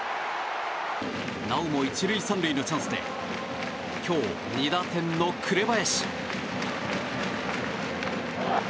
なおも１塁３塁のチャンスで今日、２打点の紅林。